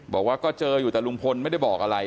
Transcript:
บอกว่าก็เจออยู่แต่ลุงพลไม่ได้บอกอะไร